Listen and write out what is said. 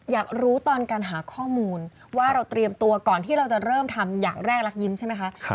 อยากรู้ตอนการหาข้อมูลว่าเราเตรียมตัวก่อนที่เราจะเริ่มทำอย่างแรกรักยิ้มใช่ไหมคะ